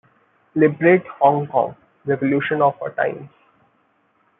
Liberate Hong Kong; revolution of our times